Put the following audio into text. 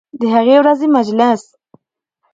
د هغې ورځې مجلس